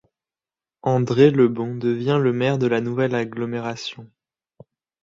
André Lebon devient le maire de la nouvelle agglomération.